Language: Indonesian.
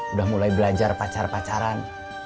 udah mulai belajar pacar pacaran